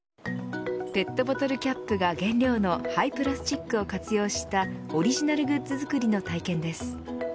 ペットボトルキャップが原料の廃プラスチックを活用したオリジナルグッズ作りの体験です。